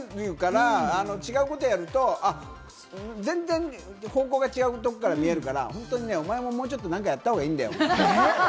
違うことをやると全然方向が違うところから見えるから、お前ももうちょっと、何かやったほうがいいんだよ。